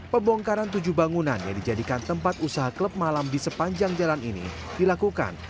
pembongkaran tujuh bangunan yang dijadikan tempat usaha klub malam di sepanjang jalan ini dilakukan